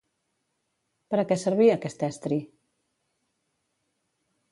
Per a què servia aquest estri?